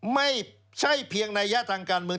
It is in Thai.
ไม่ใช่เพียงนัยยะทางการเมือง